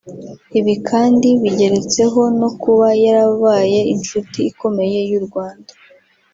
Ibi kandi bigeretseho no kuba yarabaye inshuti ikomeye y’u Rwanda